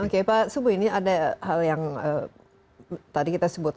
oke pak subuh ini ada hal yang tadi kita sebut